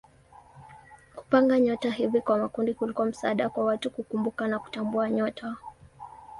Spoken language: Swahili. Kupanga nyota hivi kwa makundi kulikuwa msaada kwa watu kukumbuka na kutambua nyota.